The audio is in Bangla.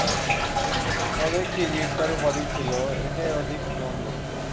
তবে খিযির তাঁর উপাধি ছিল- এটাই অধিক গ্রহণযোগ্য।